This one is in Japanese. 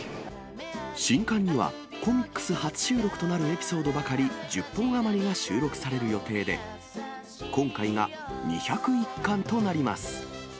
新刊にはコミックス初収録となるエピソードばかり１０本余りが収録される予定で、今回が２０１巻となります。